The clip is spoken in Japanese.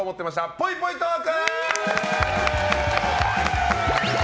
ぽいぽいトーク！